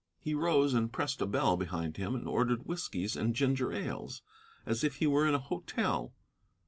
He rose and pressed a bell behind him and ordered whiskeys and ginger ales, as if he were in a hotel.